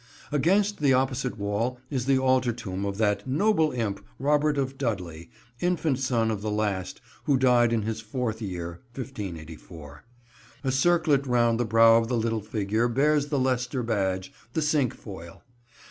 Against the opposite wall is the altar tomb of that "noble Impe, Robert of Dudley," infant son of the last, who died in his fourth year, 1584. A circlet round the brow of the little figure bears the Leicester badge, the cinquefoil.